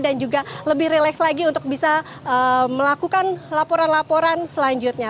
dan juga lebih relax lagi untuk bisa melakukan laporan laporan selanjutnya